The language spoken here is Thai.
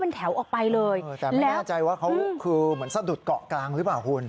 มันแถวออกไปเลยเออแต่ไม่แน่ใจว่าเขาคือเหมือนสะดุดเกาะกลางหรือเปล่าคุณ